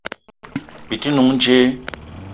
Bi te n'noung djeu?